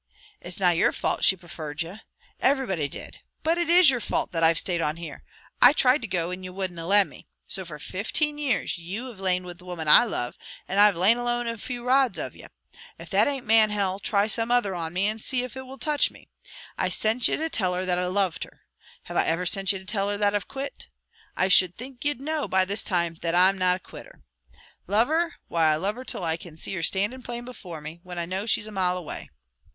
It's na your fault that she preferred ye. Everybody did. But it IS your fault that I've stayed on here. I tried to go, and ye wouldna let me. So for fifteen years, ye have lain with the woman I love, and I have lain alone in a few rods of ye. If that ain't Man Hell, try some other on me, and see if it will touch me! I sent ye to tell her that I loved her; have I ever sent ye to tell her that I've quit? I should think you'd know, by this time, that I'm na quitter. Love her! Why, I love her till I can see her standin' plain before me, when I know she's a mile away.